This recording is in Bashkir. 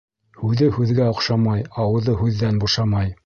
Һүҙе һүҙгә оҡшамай, ауыҙы һүҙҙән бушамай.